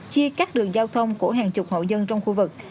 chia các đường giao thông của hàng chục hậu dân trong khu vực